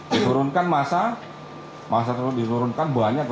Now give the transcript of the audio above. disurunkan masa masa itu disurunkan banyak